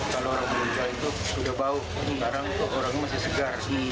kalau orang jogja itu sudah bau karena orangnya masih segar